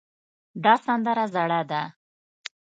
دا سندره زړه ده